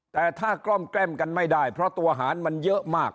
แต่ถ้ากล้อมแกล้มกันไม่ได้เพราะตัวหารมันเยอะมาก